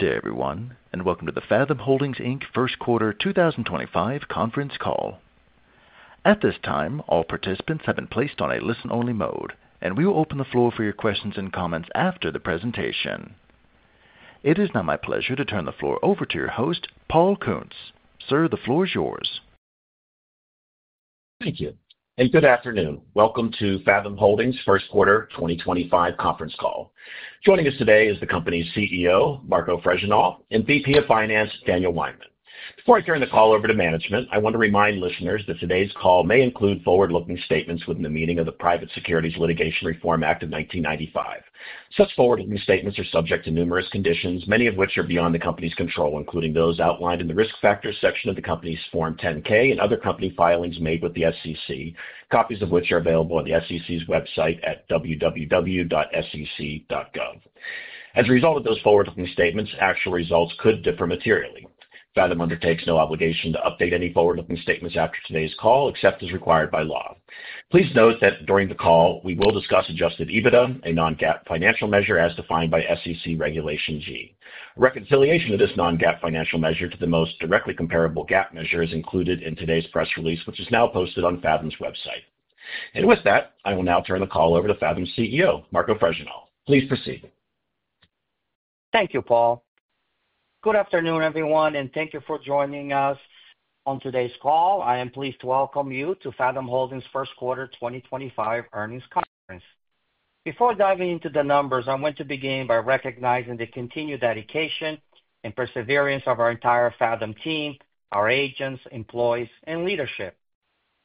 Good day, everyone, and welcome to the Fathom Holdings First Quarter 2025 conference call. At this time, all participants have been placed on a listen-only mode, and we will open the floor for your questions and comments after the presentation. It is now my pleasure to turn the floor over to your host, Paul Kuntz. Sir, the floor is yours. Thank you, and good afternoon. Welcome to Fathom Holdings First Quarter 2025 conference call. Joining us today is the company's CEO, Marco Fregenal, and VP of Finance, Daniel Weinmann. Before I turn the call over to management, I want to remind listeners that today's call may include forward-looking statements within the meaning of the Private Securities Litigation Reform Act of 1995. Such forward-looking statements are subject to numerous conditions, many of which are beyond the company's control, including those outlined in the risk factors section of the company's Form 10-K and other company filings made with the SEC, copies of which are available on the SEC's website at www.sec.gov. As a result of those forward-looking statements, actual results could differ materially. Fathom undertakes no obligation to update any forward-looking statements after today's call, except as required by law. Please note that during the call, we will discuss adjusted EBITDA, a non-GAAP financial measure as defined by SEC Regulation G. Reconciliation of this non-GAAP financial measure to the most directly comparable GAAP measure is included in today's press release, which is now posted on Fathom's website. With that, I will now turn the call over to Fathom's CEO, Marco Fregenal. Please proceed. Thank you, Paul. Good afternoon, everyone, and thank you for joining us on today's call. I am pleased to welcome you to Fathom Holdings First Quarter 2025 earnings conference. Before diving into the numbers, I want to begin by recognizing the continued dedication and perseverance of our entire Fathom team, our agents, employees, and leadership.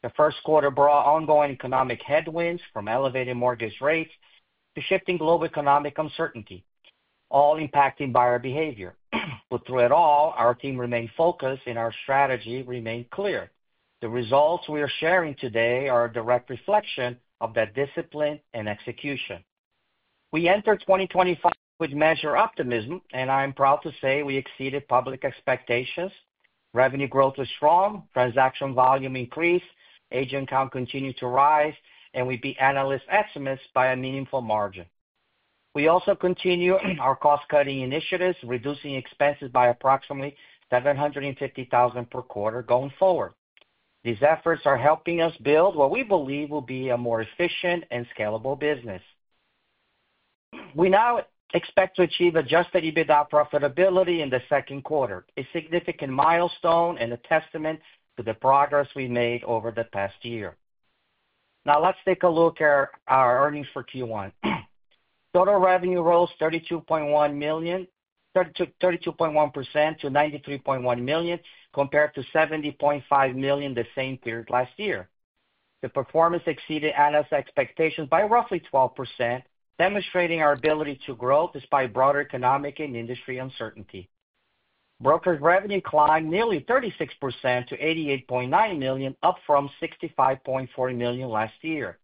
The first quarter brought ongoing economic headwinds from elevated mortgage rates to shifting global economic uncertainty, all impacting buyer behavior. Through it all, our team remained focused, and our strategy remained clear. The results we are sharing today are a direct reflection of that discipline and execution. We entered 2025 with measured optimism, and I am proud to say we exceeded public expectations. Revenue growth was strong, transaction volume increased, agent count continued to rise, and we beat analysts' estimates by a meaningful margin. We also continue our cost-cutting initiatives, reducing expenses by approximately $750,000 per quarter going forward. These efforts are helping us build what we believe will be a more efficient and scalable business. We now expect to achieve adjusted EBITDA profitability in the second quarter, a significant milestone and a testament to the progress we've made over the past year. Now, let's take a look at our earnings for Q1. Total revenue rose 32.1% to $93.1 million, compared to $70.5 million the same period last year. The performance exceeded analysts' expectations by roughly 12%, demonstrating our ability to grow despite broader economic and industry uncertainty. Brokerage revenue climbed nearly 36% to $88.9 million, up from $65.4 million last year.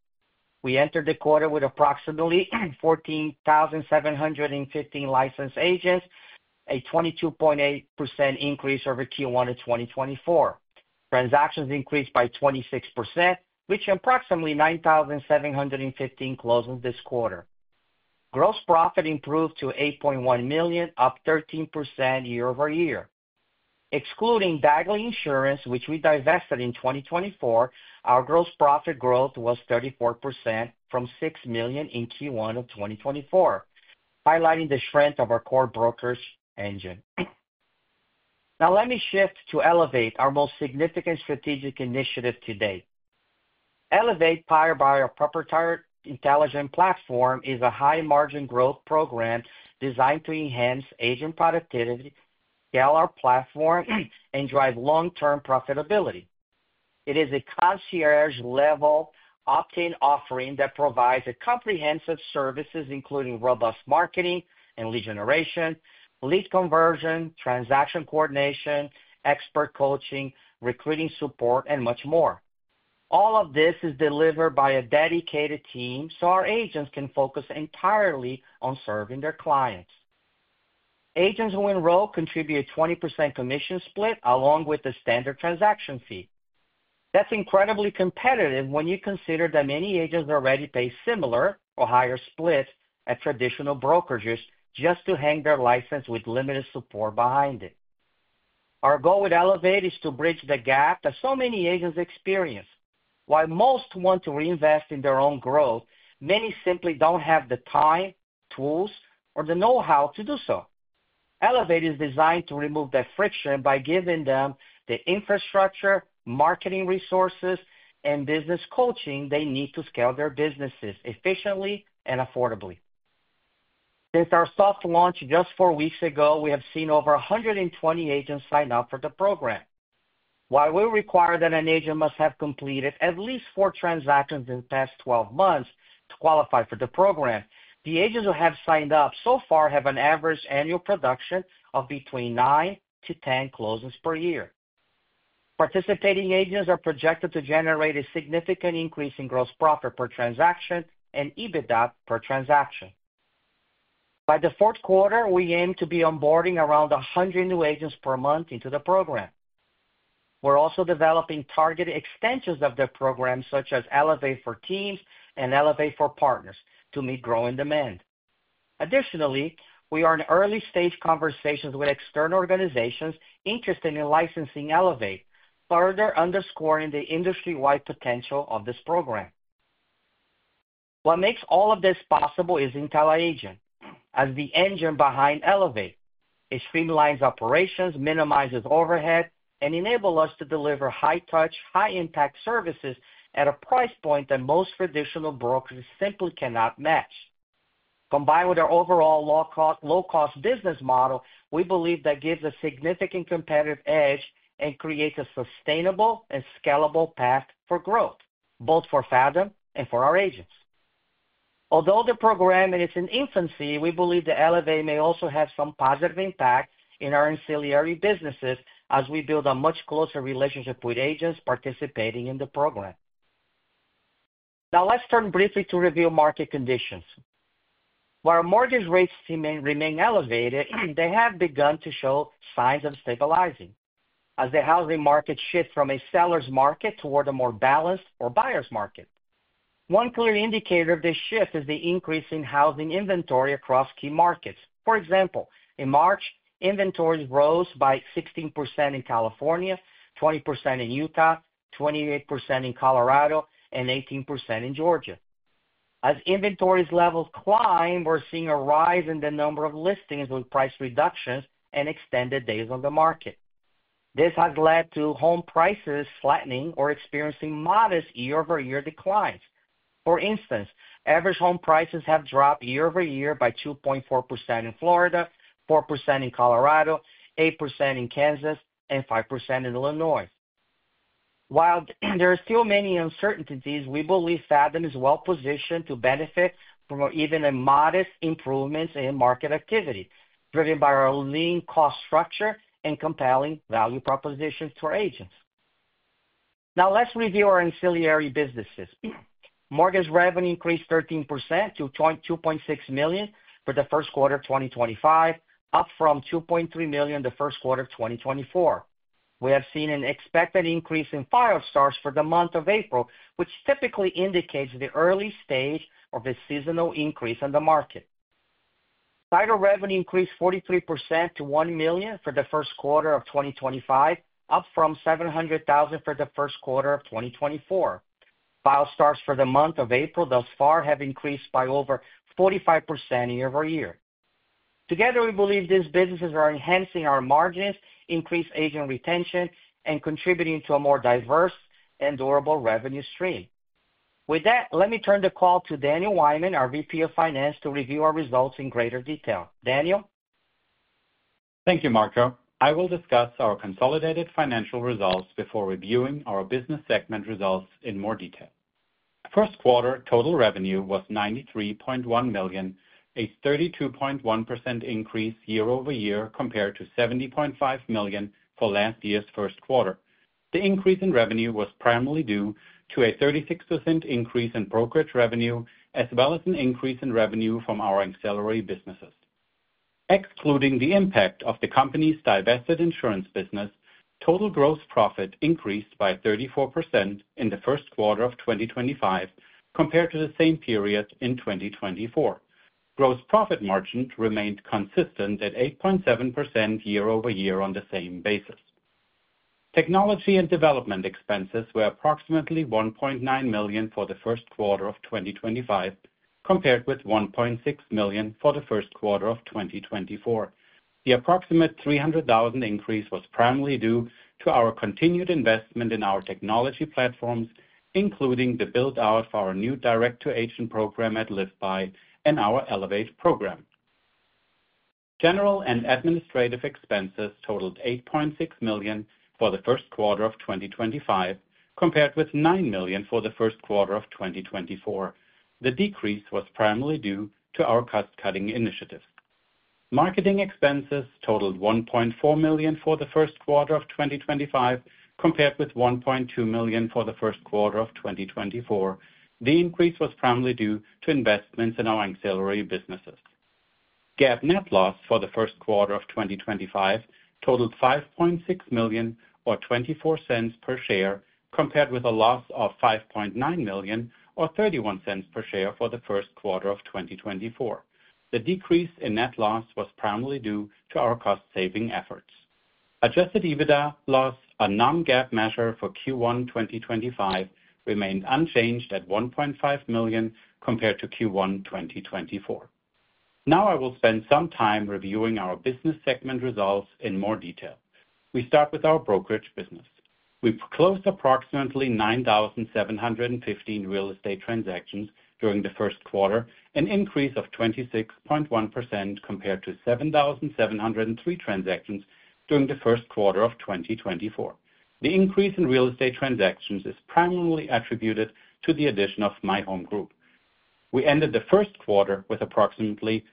We entered the quarter with approximately 14,715 licensed agents, a 22.8% increase over Q1 of 2024. Transactions increased by 26%, reaching approximately 9,715 closings this quarter. Gross profit improved to $8.1 million, up 13% year over year. Excluding Dagley Insurance, which we divested in 2024, our gross profit growth was 34% from $6 million in Q1 of 2024, highlighting the strength of our core brokerage engine. Now, let me shift to Elevate, our most significant strategic initiative today. Elevate Power Buyer Property Intelligence Platform is a high-margin growth program designed to enhance agent productivity, scale our platform, and drive long-term profitability. It is a concierge-level opt-in offering that provides comprehensive services, including robust marketing and lead generation, lead conversion, transaction coordination, expert coaching, recruiting support, and much more. All of this is delivered by a dedicated team so our agents can focus entirely on serving their clients. Agents who enroll contribute a 20% commission split along with the standard transaction fee. That's incredibly competitive when you consider that many agents already pay similar or higher splits at traditional brokerages just to hang their license with limited support behind it. Our goal with Elevate is to bridge the gap that so many agents experience. While most want to reinvest in their own growth, many simply don't have the time, tools, or the know-how to do so. Elevate is designed to remove that friction by giving them the infrastructure, marketing resources, and business coaching they need to scale their businesses efficiently and affordably. Since our soft launch just four weeks ago, we have seen over 120 agents sign up for the program. While we require that an agent must have completed at least four transactions in the past 12 months to qualify for the program, the agents who have signed up so far have an average annual production of between 9-10 closings per year. Participating agents are projected to generate a significant increase in gross profit per transaction and EBITDA per transaction. By the fourth quarter, we aim to be onboarding around 100 new agents per month into the program. We are also developing targeted extensions of the program, such as Elevate for Teams and Elevate for Partners, to meet growing demand. Additionally, we are in early-stage conversations with external organizations interested in licensing Elevate, further underscoring the industry-wide potential of this program. What makes all of this possible is intelliAgent as the engine behind Elevate. It streamlines operations, minimizes overhead, and enables us to deliver high-touch, high-impact services at a price point that most traditional brokers simply cannot match. Combined with our overall low-cost business model, we believe that gives a significant competitive edge and creates a sustainable and scalable path for growth, both for Fathom and for our agents. Although the program is in infancy, we believe that Elevate may also have some positive impact in our ancillary businesses as we build a much closer relationship with agents participating in the program. Now, let's turn briefly to review market conditions. While mortgage rates remain elevated, they have begun to show signs of stabilizing as the housing market shifts from a seller's market toward a more balanced or buyer's market. One clear indicator of this shift is the increase in housing inventory across key markets. For example, in March, inventories rose by 16% in California, 20% in Utah, 28% in Colorado, and 18% in Georgia. As inventory levels climb, we're seeing a rise in the number of listings with price reductions and extended days on the market. This has led to home prices flattening or experiencing modest year-over-year declines. For instance, average home prices have dropped year-over-year by 2.4% in Florida, 4% in Colorado, 8% in Kansas, and 5% in Illinois. While there are still many uncertainties, we believe Fathom is well-positioned to benefit from even modest improvements in market activity, driven by our lean cost structure and compelling value propositions to our agents. Now, let's review our ancillary businesses. Mortgage revenue increased 13% to $2.6 million for the first quarter of 2025, up from $2.3 million the first quarter of 2024. We have seen an expected increase in File Stars for the month of April, which typically indicates the early stage of a seasonal increase in the market. Title revenue increased 43% to $1 million for the first quarter of 2025, up from $700,000 for the first quarter of 2024. File Stars for the month of April thus far have increased by over 45% year-over-year. Together, we believe these businesses are enhancing our margins, increasing agent retention, and contributing to a more diverse and durable revenue stream. With that, let me turn the call to Daniel Weinmann, our VP of Finance, to review our results in greater detail. Daniel? Thank you, Marco. I will discuss our consolidated financial results before reviewing our business segment results in more detail. First quarter total revenue was $93.1 million, a 32.1% increase year-over-year compared to $70.5 million for last year's first quarter. The increase in revenue was primarily due to a 36% increase in brokerage revenue, as well as an increase in revenue from our ancillary businesses. Excluding the impact of the company's divested insurance business, total gross profit increased by 34% in the first quarter of 2025 compared to the same period in 2024. Gross profit margin remained consistent at 8.7% year-over-year on the same basis. Technology and development expenses were approximately $1.9 million for the first quarter of 2025, compared with $1.6 million for the first quarter of 2024. The approximate $300,000 increase was primarily due to our continued investment in our technology platforms, including the build-out for our new direct-to-agent program at LiftBuy and our Elevate program. General and administrative expenses totaled $8.6 million for the first quarter of 2025, compared with $9 million for the first quarter of 2024. The decrease was primarily due to our cost-cutting initiatives. Marketing expenses totaled $1.4 million for the first quarter of 2025, compared with $1.2 million for the first quarter of 2024. The increase was primarily due to investments in our ancillary businesses. GAAP net loss for the first quarter of 2025 totaled $5.6 million, or $0.24 per share, compared with a loss of $5.9 million, or $0.31 per share for the first quarter of 2024. The decrease in net loss was primarily due to our cost-saving efforts. Adjusted EBITDA loss, a non-GAAP measure for Q1 2025, remained unchanged at $1.5 million compared to Q1 2024. Now, I will spend some time reviewing our business segment results in more detail. We start with our brokerage business. We closed approximately 9,715 real estate transactions during the first quarter, an increase of 26.1% compared to 7,703 transactions during the first quarter of 2024. The increase in real estate transactions is primarily attributed to the addition of My Home Group. We ended the first quarter with approximately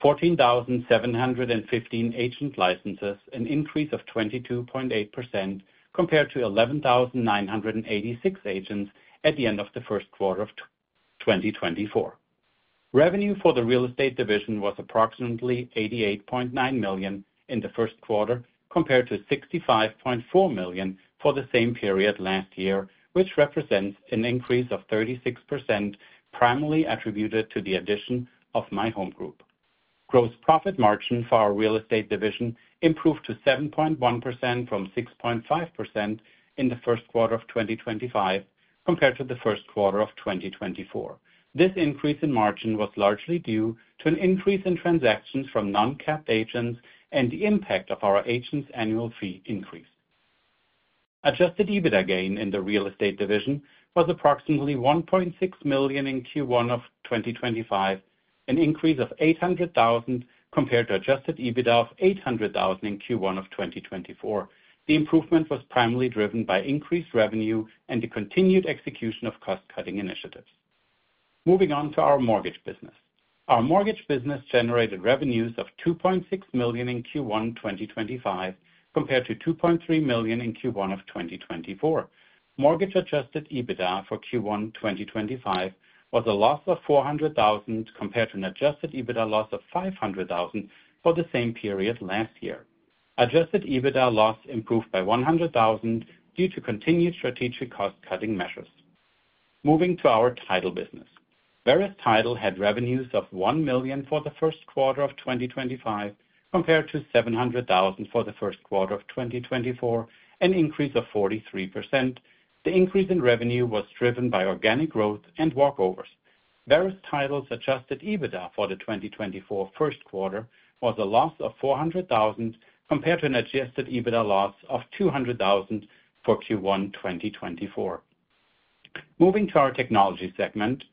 14,715 agent licenses, an increase of 22.8% compared to 11,986 agents at the end of the first quarter of 2024. Revenue for the real estate division was approximately $88.9 million in the first quarter compared to $65.4 million for the same period last year, which represents an increase of 36%, primarily attributed to the addition of My Home Group. Gross profit margin for our real estate division improved to 7.1% from 6.5% in the first quarter of 2025 compared to the first quarter of 2024. This increase in margin was largely due to an increase in transactions from non-capped agents and the impact of our agents' annual fee increase. Adjusted EBITDA gain in the real estate division was approximately $1.6 million in Q1 of 2025, an increase of $800,000 compared to adjusted EBITDA of $800,000 in Q1 of 2024. The improvement was primarily driven by increased revenue and the continued execution of cost-cutting initiatives. Moving on to our mortgage business. Our mortgage business generated revenues of $2.6 million in Q1 2025 compared to $2.3 million in Q1 of 2024. Mortgage adjusted EBITDA for Q1 2025 was a loss of $400,000 compared to an adjusted EBITDA loss of $500,000 for the same period last year. Adjusted EBITDA loss improved by $100,000 due to continued strategic cost-cutting measures. Moving to our title business. Veris Title had revenues of $1 million for the first quarter of 2025 compared to $700,000 for the first quarter of 2024, an increase of 43%. The increase in revenue was driven by organic growth and walk-overs. Veris Title's adjusted EBITDA for the 2024 first quarter was a loss of $400,000 compared to an adjusted EBITDA loss of $200,000 for Q1 2024. Moving to our technology segment,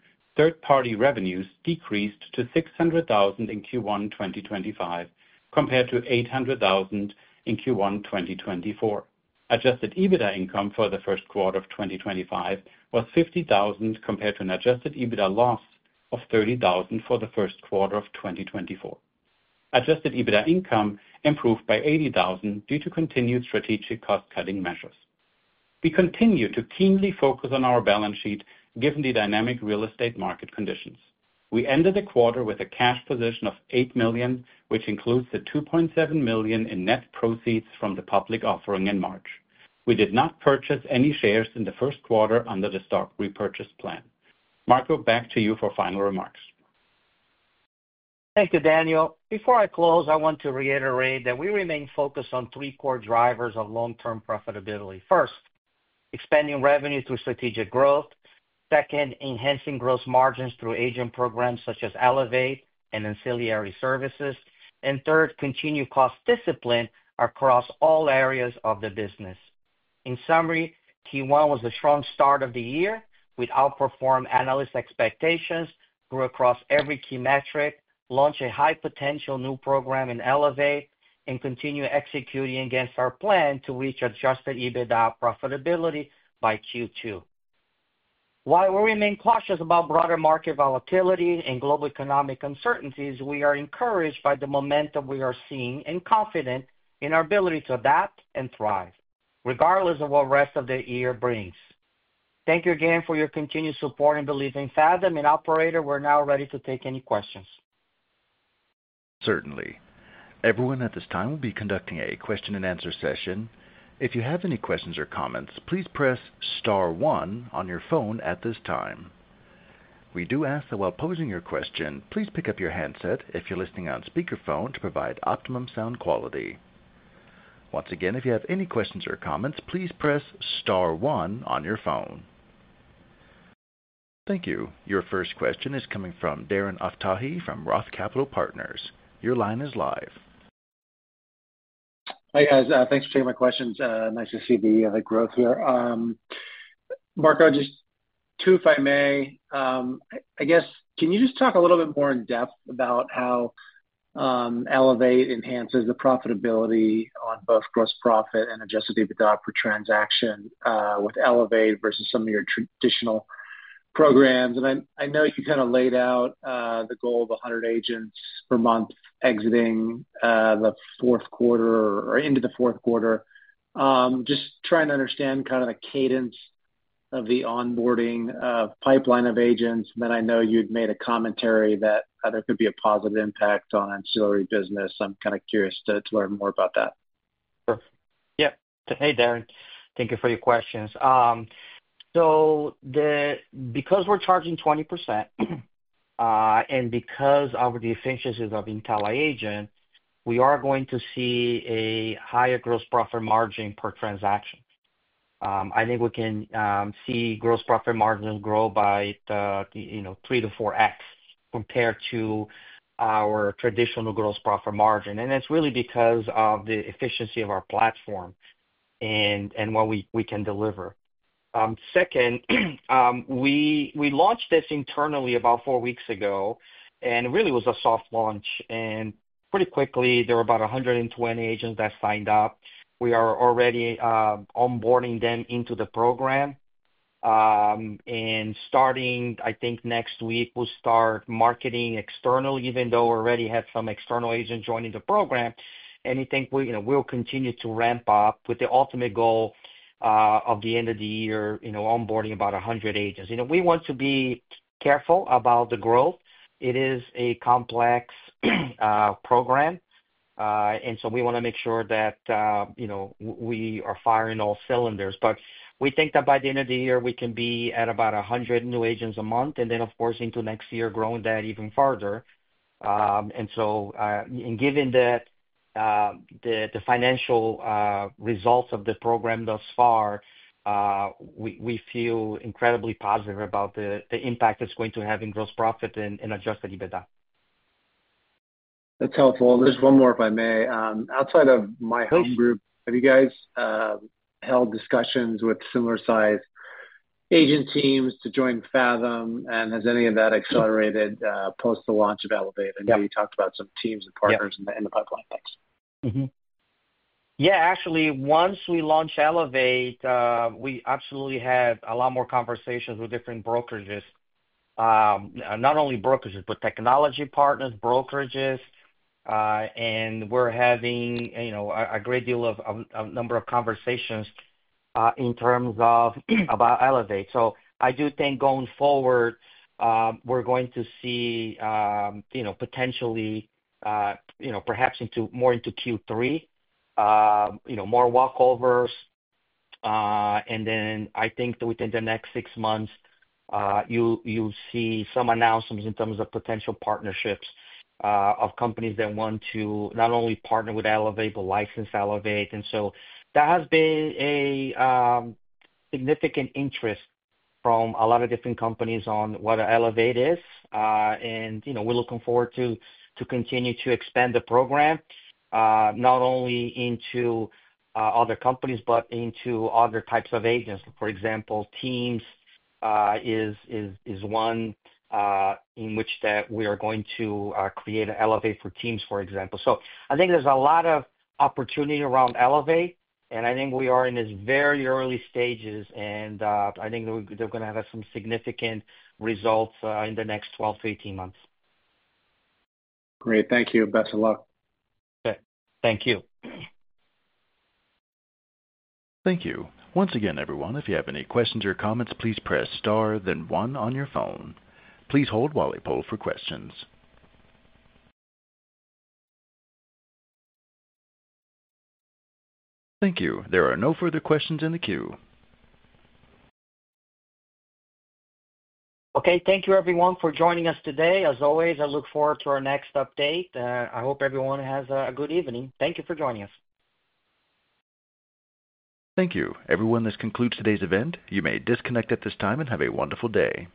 third-party revenues decreased to $600,000 in Q1 2025 compared to $800,000 in Q1 2024. Adjusted EBITDA income for the first quarter of 2025 was $50,000 compared to an adjusted EBITDA loss of $30,000 for the first quarter of 2024. Adjusted EBITDA income improved by $80,000 due to continued strategic cost-cutting measures. We continue to keenly focus on our balance sheet given the dynamic real estate market conditions. We ended the quarter with a cash position of $8 million, which includes the $2.7 million in net proceeds from the public offering in March. We did not purchase any shares in the first quarter under the stock repurchase plan. Marco, back to you for final remarks. Thank you, Daniel. Before I close, I want to reiterate that we remain focused on three core drivers of long-term profitability. First, expanding revenue through strategic growth. Second, enhancing gross margins through agent programs such as Elevate and ancillary services. Third, continued cost discipline across all areas of the business. In summary, Q1 was a strong start of the year with outperforming analyst expectations, grew across every key metric, launched a high-potential new program in Elevate, and continued executing against our plan to reach adjusted EBITDA profitability by Q2. While we remain cautious about broader market volatility and global economic uncertainties, we are encouraged by the momentum we are seeing and confident in our ability to adapt and thrive, regardless of what the rest of the year brings. Thank you again for your continued support in believing Fathom and Operator. We're now ready to take any questions. Certainly. Everyone, at this time we will be conducting a question-and-answer session. If you have any questions or comments, please press Star 1 on your phone at this time. We do ask that while posing your question, please pick up your handset if you're listening on speakerphone to provide optimum sound quality. Once again, if you have any questions or comments, please press Star 1 on your phone. Thank you. Your first question is coming from Darren Aftahi from Roth Capital Partners. Your line is live. Hi, guys. Thanks for taking my questions. Nice to see the growth here. Marco, just too, if I may, I guess, can you just talk a little bit more in depth about how Elevate enhances the profitability on both gross profit and adjusted EBITDA per transaction with Elevate versus some of your traditional programs? I know you kind of laid out the goal of 100 agents per month exiting the fourth quarter or into the fourth quarter. Just trying to understand kind of the cadence of the onboarding pipeline of agents. I know you'd made a commentary that there could be a positive impact on ancillary business. I'm kind of curious to learn more about that. Sure. Yep. Hey, Darren. Thank you for your questions. So because we're charging 20% and because of the efficiencies of intelliAgent, we are going to see a higher gross profit margin per transaction. I think we can see gross profit margins grow by three to four X compared to our traditional gross profit margin. And it's really because of the efficiency of our platform and what we can deliver. Second, we launched this internally about four weeks ago, and it really was a soft launch. And pretty quickly, there were about 120 agents that signed up. We are already onboarding them into the program. Starting, I think, next week, we'll start marketing external, even though we already had some external agents joining the program. I think we'll continue to ramp up with the ultimate goal of the end of the year, onboarding about 100 agents. We want to be careful about the growth. It is a complex program. We want to make sure that we are firing all cylinders. We think that by the end of the year, we can be at about 100 new agents a month, and then, of course, into next year, growing that even further. Given the financial results of the program thus far, we feel incredibly positive about the impact it's going to have in gross profit and adjusted EBITDA. That's helpful. There's one more, if I may. Outside of My Home Group, have you guys held discussions with similar-sized agent teams to join Fathom? Has any of that accelerated post the launch of Elevate? I know you talked about some teams and partners in the pipeline. Thanks. Yeah. Actually, once we launch Elevate, we absolutely have a lot more conversations with different brokerages. Not only brokerages, but technology partners, brokerages. We are having a great deal of a number of conversations in terms of Elevate. I do think going forward, we are going to see potentially, perhaps more into Q3, more walk-overs. I think that within the next six months, you will see some announcements in terms of potential partnerships of companies that want to not only partner with Elevate but license Elevate. That has been a significant interest from a lot of different companies on what Elevate is. We are looking forward to continue to expand the program, not only into other companies but into other types of agents. For example, Teams is one in which we are going to create an Elevate for Teams, for example. I think there's a lot of opportunity around Elevate. I think we are in these very early stages. I think they're going to have some significant results in the next 12-18 months. Great. Thank you. Best of luck. Okay. Thank you. Thank you. Once again, everyone, if you have any questions or comments, please press Star, then 1 on your phone. Please hold while we poll for questions. Thank you. There are no further questions in the queue. Okay. Thank you, everyone, for joining us today. As always, I look forward to our next update. I hope everyone has a good evening. Thank you for joining us. Thank you. Everyone, this concludes today's event. You may disconnect at this time and have a wonderful day.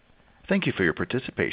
Thank you for your participation.